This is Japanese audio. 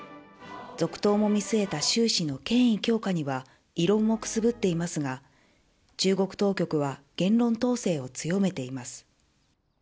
続投も見据えたシュウ氏権威強化には異論をくすぶっていますが、中国当局は言論統制を強めています。